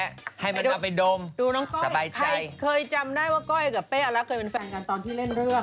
กลับบ้านเลยบ้านไม่เป็นไร